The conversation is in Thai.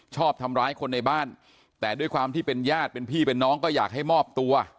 ชอบทำร้ายคนในบ้านแต่ด้วยความที่เป็นญาติเป็นพี่เป็นน้องก็อยากให้มอบตัว